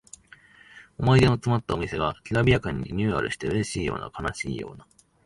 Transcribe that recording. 思い出のつまったお店がきらびやかにリニューアルしてうれしいような悲しいような